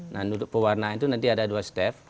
nah untuk pewarna itu nanti ada dua step